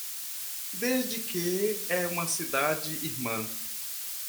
Desde que é uma cidade irmã